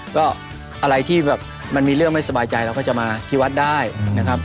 ก็อะไรที่แบบมันมีเรื่องไม่สบายใจเราก็จะมาที่วัดได้นะครับ